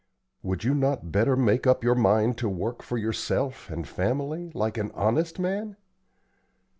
Would you not better make up your mind to work for yourself and family, like an honest man?